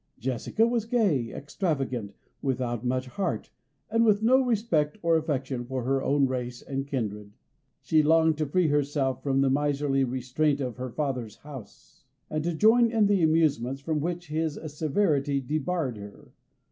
Jessica was gay, extravagant, without much heart, and with no respect or affection for her own race and kindred. She longed to free herself from the miserly restraint of her father's house, and to join in the amusements from which his severity debarred her.